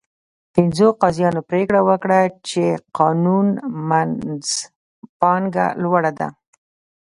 پنځو قاضیانو پرېکړه وکړه چې قانون منځپانګه لوړه ده.